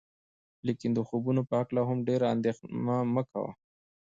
لیکن د خوبونو په هکله هم ډیره اندیښنه مه کوئ.